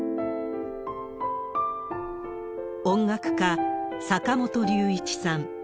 音楽家、坂本龍一さん。